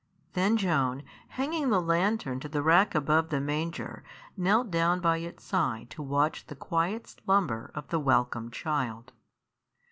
Then Joan, hanging the lantern to the rack above the manger, knelt down by its side to watch the quiet slumber of the welcome child.